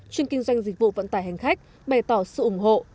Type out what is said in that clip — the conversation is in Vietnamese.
chuyên kinh doanh dịch vụ vận tải hành khách bày tỏ sự ủng hộ